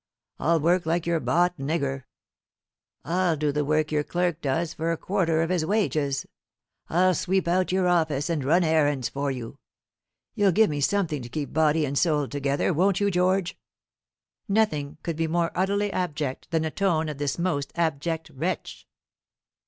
I'll work like your bought nigger. I'll do the work your clerk does for a quarter of his wages. I'll sweep out your office, and run errands for you. You'll give me something to keep body and soul together, won't you, George?" Nothing could be more utterly abject than the tone of this most abject wretch.